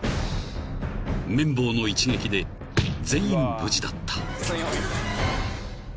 ［麺棒の一撃で全員無事だった］